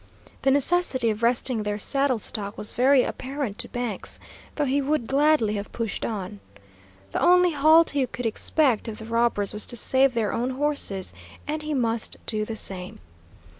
The necessity of resting their saddle stock was very apparent to Banks, though he would gladly have pushed on. The only halt he could expect of the robbers was to save their own horses, and he must do the same.